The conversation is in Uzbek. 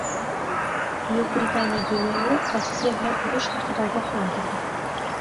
Buyuk Britaniya generali Rossiya bilan urush haqida ogohlantirdi